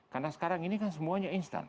karena sekarang ini kan semuanya instan